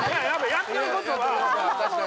やってることは。